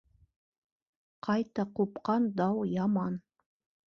Ҡайта ҡупҡан дау яман